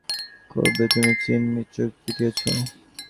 কবে তুমি তিন্নির চোখ টিপিয়াছ।